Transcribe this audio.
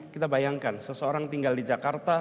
kita bayangkan seseorang tinggal di jakarta